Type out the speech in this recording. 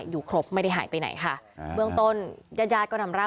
อยู่ครบไม่ได้หายไปไหนค่ะ